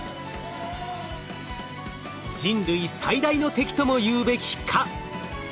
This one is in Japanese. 人類最大の敵ともいうべき蚊。